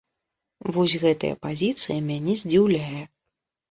Вось гэтая пазіцыя мяне здзіўляе.